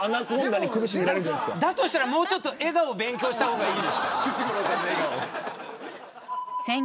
だとしたら、もうちょっと笑顔を勉強した方がいい。